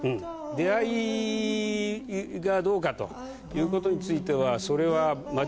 出会いがどうかということについてはそれは。